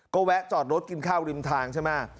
ก็แวะจอดรถกินข้าวริมทางใช่ไหม